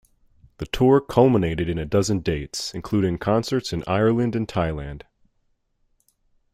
The tour culminated in a dozen dates, including concerts in Ireland and Thailand.